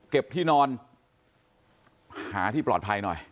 ที่นอนหาที่ปลอดภัยหน่อย